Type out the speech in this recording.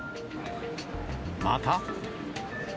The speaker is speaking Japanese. また。